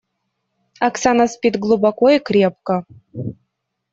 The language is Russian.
Оксана спит глубоко и крепко.